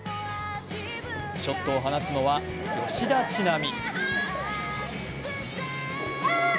ショットを放つのは、吉田知那美。